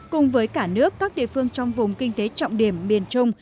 cùng với cả nước các địa phương trong vùng kinh tế trọng điểm miền trung